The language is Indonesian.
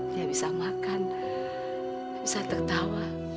dia bisa makan bisa tertawa